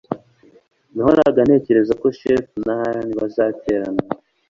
nahoraga ntekereza ko shirley na alan bazaterana